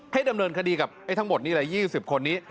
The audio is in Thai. ดำเนินคดีกับไอ้ทั้งหมดนี่แหละ๒๐คนนี้